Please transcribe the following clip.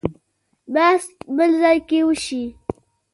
بحث بل ځای کې وشي.